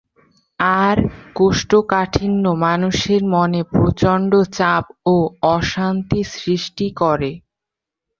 আর কোষ্ঠকাঠিন্য মানুষের মনে প্রচণ্ড চাপ ও অশান্তি সৃষ্টি করে।